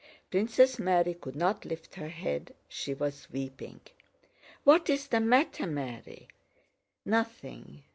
Princess Mary could not lift her head, she was weeping. "What is the matter, Mary?" "Nothing...